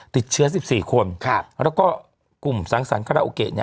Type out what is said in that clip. ติดเชื้อ๑๔คนแล้วก็กลุ่มสังสรรค์คัตแหละโอเคเนี่ย